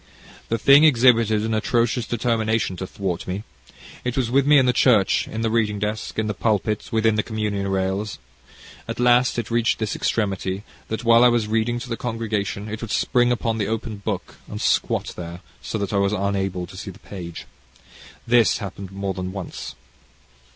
The thing exhibited an atrocious determination to thwart me. It was with me in the church in the reading desk in the pulpit within the communion rails. At last, it reached this extremity, that while I was reading to the congregation, it would spring upon the book and squat there, so that I was unable to see the page. This happened more than once.